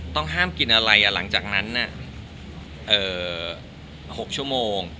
ต้องห้ามกินอะไรหลังจากนั้น๖ชั่วโมง